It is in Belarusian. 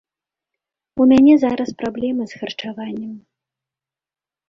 У мяне зараз праблемы з харчаваннем.